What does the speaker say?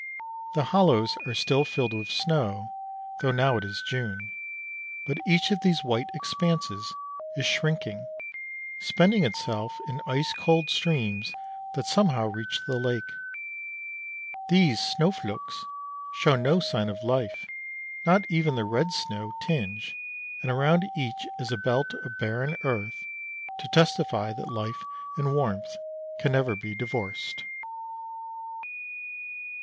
The hollows are still filled with snow, though now it is June. But each of these white expanses is shrinking, spending itself in ice cold streams that somehow reach the lake. These snö flaks show no sign of life, not even the 'red snow' tinge, and around each is a belt of barren earth, to testify that life and warmth can never be divorced.